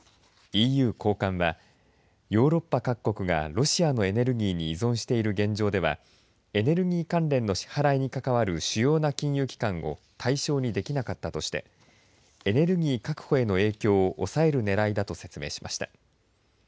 ＥＵ高官はヨーロッパ各国がロシアのエネルギーに依存している現状ではエネルギー関連の支払いに関わる主要な金融機関を対象にできなかったとしてエネルギー確保への影響を抑えるねらいだと説明しました。